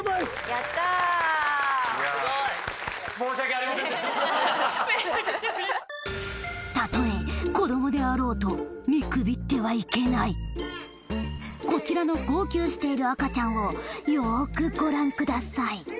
やったすごいたとえ子どもであろうと見くびってはいけないこちらの号泣している赤ちゃんをよくご覧ください